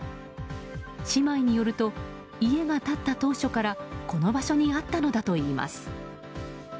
姉妹によると家が建った当初からこの場所にあったのだといいます。